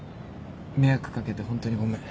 迷惑かけてホントにごめん。